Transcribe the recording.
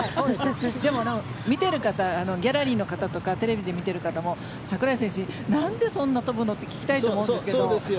でも、見ている方ギャラリーの方とかテレビで見ている方も櫻井選手なんでそんな飛ぶの？って聞きたいと思うんですけど。